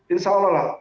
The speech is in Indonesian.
insya allah lah